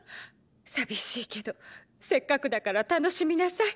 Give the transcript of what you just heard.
寂しいけどせっかくだから楽しみなさい。